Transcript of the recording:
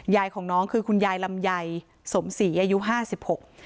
ยายของน้องคือคุณยายลำไยสมศรีอายุห้าสิบหก